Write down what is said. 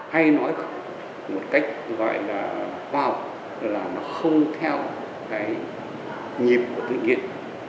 hay nói một cách gọi là vào là không theo cái nhịp của tự nhiên